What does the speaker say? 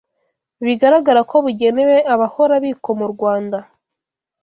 bigaragara ko bugenewe abahora bikoma u Rwanda